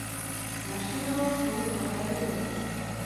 Navštěvoval školu Svatého Josefa.